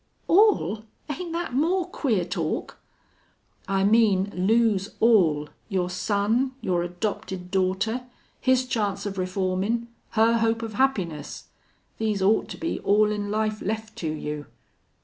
"All! Ain't that more queer talk?" "I mean lose all your son, your adopted daughter his chance of reformin', her hope of happiness. These ought to be all in life left to you."